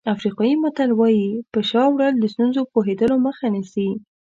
افریقایي متل وایي په شا وړل د ستونزو پوهېدلو مخه نیسي.